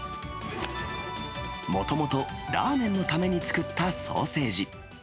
もともとラーメンのために作ったソーセージ。